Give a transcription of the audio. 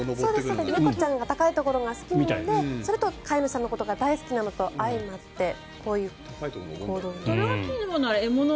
猫ちゃんが高いところが好きなのでそれと飼い主さんのことが大好きなのが相まってこういう行動に。